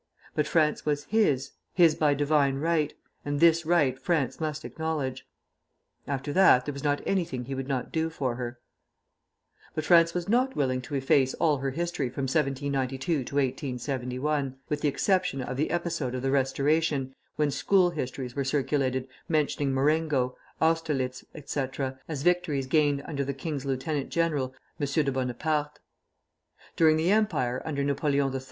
But France was his, his by divine right; and this right France must acknowledge. After that, there was not anything he would not do for her. [Illustration: COMPTE DE CHAMBORD.] But France was not willing to efface all her history from 1792 to 1871, with the exception of the episode of the Restoration, when school histories were circulated mentioning Marengo, Austerlitz, etc., as victories gained under the king's lieutenant general, M. de Bonaparte. During the Empire, under Napoleon III.